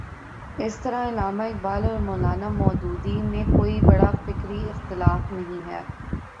اسی طرح علامہ اقبال اور مو لا نا مو دودی میں کوئی بڑا فکری اختلاف نہیں ہے۔